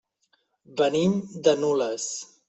Venim de Nules.